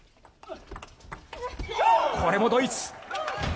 これもドイツ。